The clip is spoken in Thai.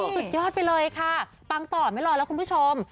สุดยอดไปเลยค่ะปังต่อไม่รอแล้วคุณผู้ชม